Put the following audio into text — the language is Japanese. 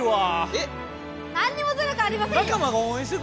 何にもズルくありませんよ。